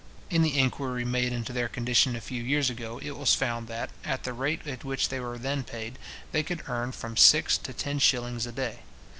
In the inquiry made into their condition a few years ago, it was found that, at the rate at which they were then paid, they could earn from six to ten shillings a day.